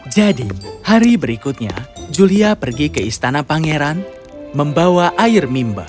jadi hari berikutnya julia pergi ke istana pangeran membawa air mimba